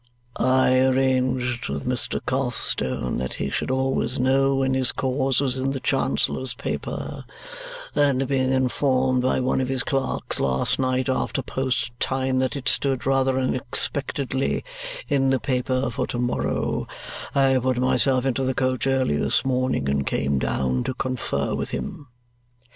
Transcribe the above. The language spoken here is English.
"I arranged with Mr. Carstone that he should always know when his cause was in the Chancellor's paper, and being informed by one of my clerks last night after post time that it stood, rather unexpectedly, in the paper for to morrow, I put myself into the coach early this morning and came down to confer with him."